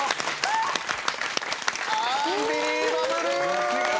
アンビリーバブル！